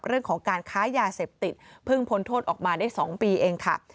เรื่องของการค้ายาเสพติดเพิ่งพ้นโทษออกมาได้๒ปีเองค่ะ